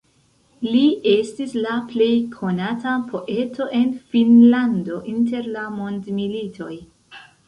Li estis la plej konata poeto en Finnlando inter la mondmilitoj.